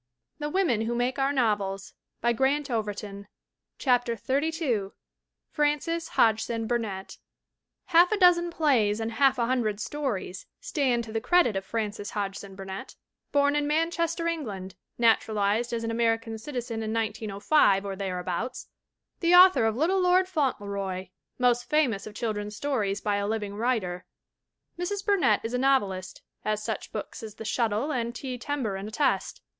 Published by Frederick A. Stokes Company, New York. CHAPTER XXXII FRANCES HODGSON BURNETT HALF a dozen plays and half a hundred stories stand to the credit of Frances Hodgson Bur nett, born in Manchester, England, natural ized as an American citizen in 1905 or thereabouts, the author of Little Lord Fauntleroy, most famous of children's stories by a living writer. Mrs. Burnett is a novelist, as such books as The Shuttle and T. Tern baron attest.